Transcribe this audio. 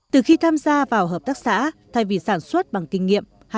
từ khi tham gia vào hợp tác xã thay vì sản xuất bằng kinh nghiệm